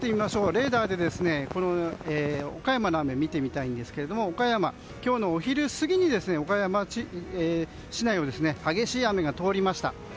レーダーで岡山の雨を見てみますと今日のお昼過ぎに岡山市内を激しい雨が通りました。